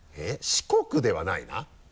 四国ではないな。